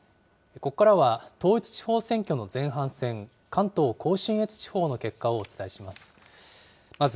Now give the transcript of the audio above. ここからは統一地方選挙の前半戦、関東甲信越地方の結果をお伝えします。